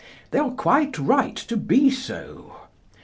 They are quite right to be so.